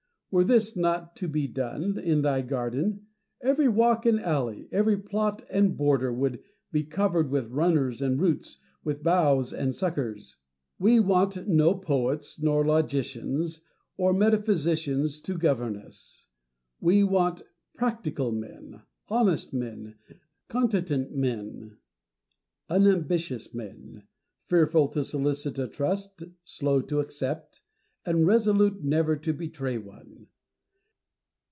Were this not to be done in thy garden, every walk and alley, every plot and border, would be covered with runners and roots, with boughs and suckers. We want no poets or logicians or metaphysicians to govern us : we want practical men, honest men, continent men, unambitious men, fearful to solicit a trust, slow to accept, and resolute never to betray one.